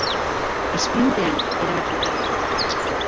Esprintean erabaki da etapa.